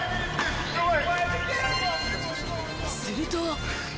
すると。